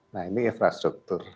nah ini infrastruktur